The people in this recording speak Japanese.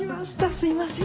すいません。